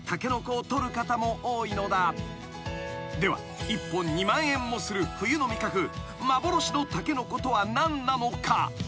［では１本２万円もする冬の味覚幻のタケノコとは何なのか？］